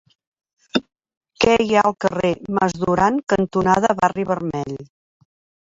Què hi ha al carrer Mas Duran cantonada Barri Vermell?